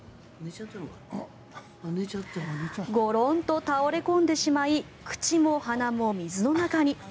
ゴロンと倒れ込んでしまい口も鼻も水の中に。